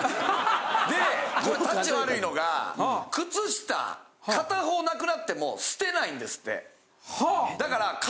でこれたち悪いのが靴下片方なくなっても捨てないんですって。